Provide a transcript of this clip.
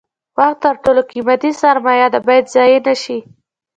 وخت تر ټولو قیمتي سرمایه ده باید ضایع نشي.